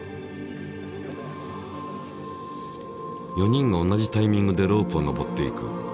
４人が同じタイミングでロープを上っていく。